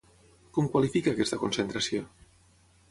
Com qualifica aquesta concentració?